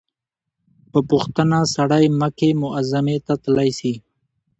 په پوښتنه سړى مکې معظمې ته تلاى سي.